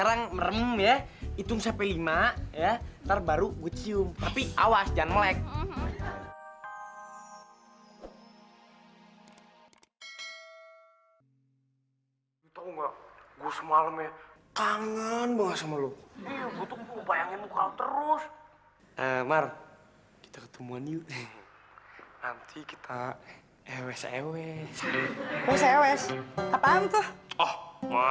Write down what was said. sampai jumpa di video selanjutnya